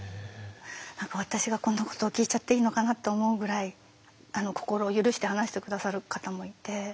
私がこんなこと聞いちゃっていいのかなと思うぐらい心を許して話して下さる方もいて。